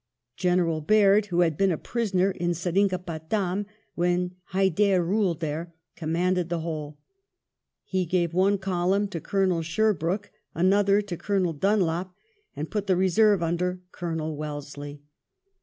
General Baird, who had been a prisoner in Seringapatam when Hyder ruled there, commanded the whole. He gave one column to Colonel Sherbrooke, another to Colonel Dunlop, and put the reserve under Colonel Wellesley.